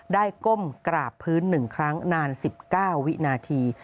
ก้มกราบพื้น๑ครั้งนาน๑๙วินาที